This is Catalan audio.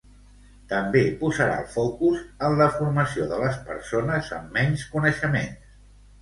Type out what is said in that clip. També posarà el focus en la formació de les persones amb menys coneixements.